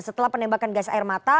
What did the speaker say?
setelah penembakan gas air mata